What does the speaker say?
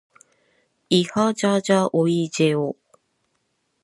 いはじゃじゃおいじぇお。